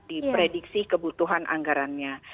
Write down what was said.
diprediksi kebutuhan anggarannya